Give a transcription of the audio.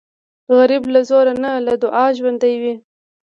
غریب له زوره نه، له دعاو ژوندی وي